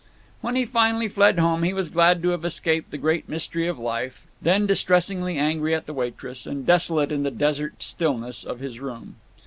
When he finally fled home he was glad to have escaped the great mystery of life, then distressingly angry at the waitress, and desolate in the desert stillness of his room.